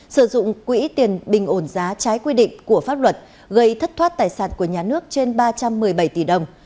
sử dụng quỹ tiền bình ổn giá trái quy định của pháp luật gây thất thoát tài sản của nhà nước trên ba trăm một mươi bảy tỷ đồng